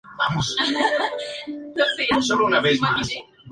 Fuentes: Allmusic.